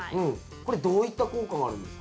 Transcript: これどういった効果があるんですか？